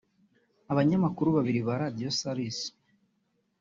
Abanyamakuru babiri ba Radiyo Salus